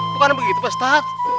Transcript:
bukan begitu bostad